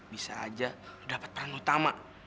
bisa aja dapat peran utama